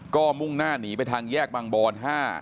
ก็มุ่งหน้าหนีไปทางแยกบางบอน๕